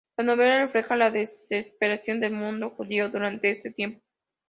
La novela refleja la desesperación del mundo judío durante este tiempo.